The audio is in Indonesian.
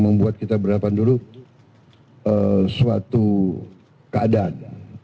membuat kita berhadapan dulu suatu keadaan